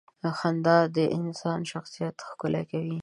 • خندا د انسان شخصیت ښکلې کوي.